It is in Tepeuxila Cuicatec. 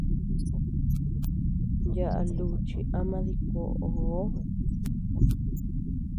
Yaʼa luchi ama dikuoʼoo.